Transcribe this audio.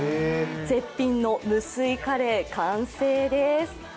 絶品の無水カレー、完成です。